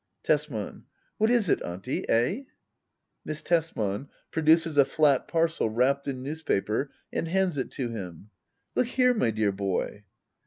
Tesman. What is it. Auntie ? Eh ? Miss Tesman. [Produces a fiat parcel wrapped in newspaper and hands it to him,] Look here, my dear boy.